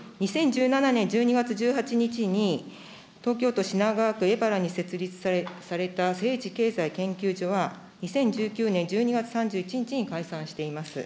２０１７年１２月１８日に、東京都品川区荏原に設立された政治経済研究所は、２０１９年１２月３１日に解散しています。